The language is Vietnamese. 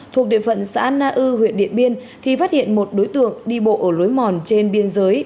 thuộc địa phận xã na ư huyện điện biên thì phát hiện một đối tượng đi bộ ở lối mòn trên biên giới